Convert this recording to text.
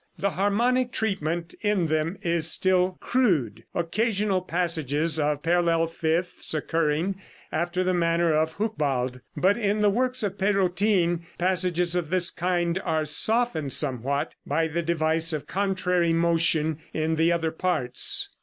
The harmonic treatment in them is still crude, occasional passages of parallel fifths occurring, after the manner of Hucbald, but in the works of Pérotin passages of this kind are softened somewhat by the device of contrary motion in the other parts.